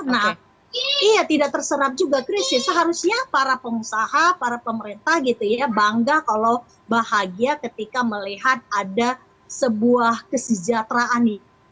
nah iya tidak terserap juga krisis seharusnya para pengusaha para pemerintah gitu ya bangga kalau bahagia ketika melihat ada sebuah kesejahteraan nih